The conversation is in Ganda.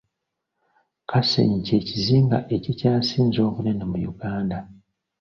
Kasenyi ky'ekizinga ekikyasinze obunene mu Uganda.